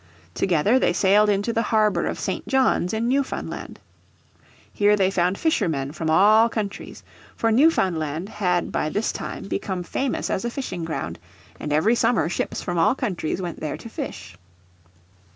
Together they sailed into the harbour of St. John's in Newfoundland. Here they found fishermen from all countries. For Newfoundland had by this time become famous as a fishing ground, and every summer ships from all countries went there to fish.